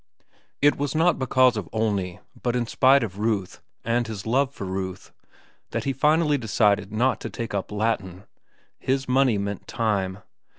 It was not because of Olney, but in spite of Ruth, and his love for Ruth, that he finally decided not to take up Latin. His money meant time.